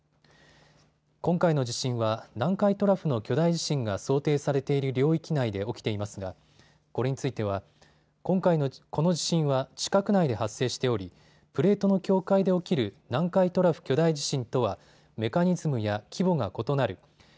今回の地震は南海トラフの巨大地震が想定されている領域内で起きていますがこれについてはこの地震は地殻内で発生しておりプレートの境界で起きる南海トラフ巨大地震とはメカニズムやその規模が異なる。